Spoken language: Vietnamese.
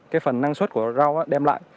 cái phần năng suất của rau đem lại